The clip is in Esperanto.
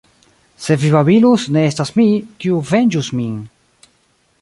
Se vi babilus, ne estas mi, kiu venĝus min.